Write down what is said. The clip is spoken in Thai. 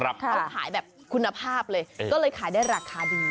เคยขายเนี่ยการถ่ายแบบคุณภาพเลยก็เลยขายด้วยราคาอื่น